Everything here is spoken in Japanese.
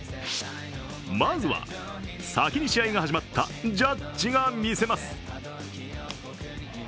まずは、先に試合が始まったジャッジが見せます。